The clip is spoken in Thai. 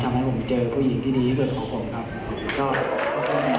ทำให้ผมเจอผู้หญิงที่ดีที่สุดของผมครับ